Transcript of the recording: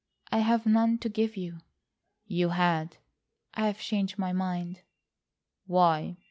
"I have none to give you." "You had." "I've changed my mind." "Why?"